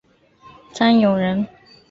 张永人。